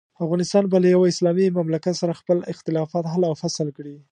افغانستان به له یوه اسلامي مملکت سره خپل اختلافات حل او فصل کړي.